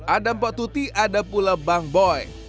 ada mpok tuti ada pula bang boy